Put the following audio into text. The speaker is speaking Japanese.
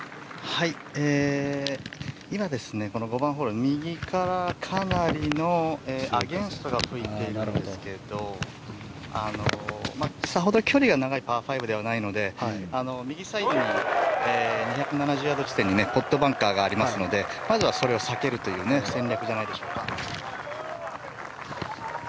今、５番ホール右からかなりのアゲンストが吹いていますがさほど距離が長いパー５ではないので右サイドに２７０ヤード地点にポットバンカーがありますのでまず、それを避けるという戦略じゃないでしょうか。